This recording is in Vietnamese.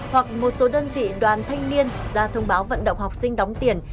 hoặc một số đơn vị đoàn thanh niên ra thông báo vận động học sinh đóng tiền